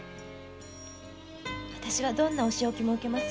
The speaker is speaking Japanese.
わたしはどんなお仕置きも受けます。